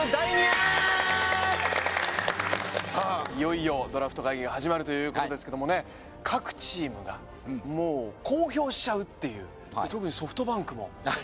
いよいよドラフト会議が始まるということですけれども各チームが公表しちゃうっていう特にソフトバンクも。